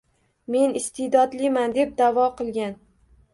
Men iste’dodliman deb da’vo qilgan.